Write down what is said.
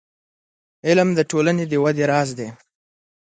• علم، د ټولنې د ودې راز دی.